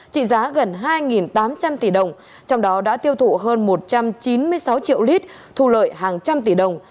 trị giá gần hai tám trăm linh tỷ đồng trong đó đã tiêu thụ hơn một trăm chín mươi sáu triệu lít thu lợi hàng trăm tỷ đồng